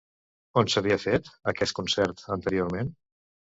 On s'havia fet, aquest concert, anteriorment?